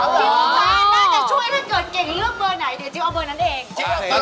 น่าจะช่วยถ้าเกิดเก่งเลือกเบอร์ไหนเดี๋ยวจะเอาเบอร์นั้นเอง